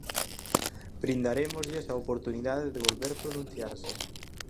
Brindarémoslles a oportunidade de volver pronunciarse.